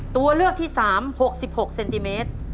ตัวเลือกที่๓๖๖เซนติเมตร